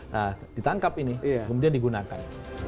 nah ditangkap ini kemudian digunakan